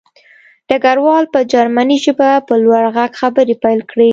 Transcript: ډګروال په جرمني ژبه په لوړ غږ خبرې پیل کړې